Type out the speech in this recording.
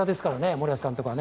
森保監督は。